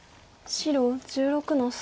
白１６の三。